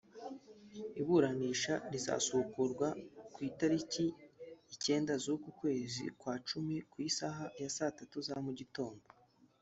Iburanisha rizasubukurwa ku itariki icyenda z’uku kwezi kwa Cumi ku isaha ya saa tatu zo mu gitondo